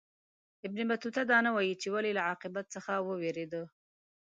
ابن بطوطه دا نه وايي چې ولي له عاقبت څخه ووېرېدی.